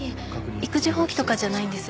育児放棄とかじゃないんです。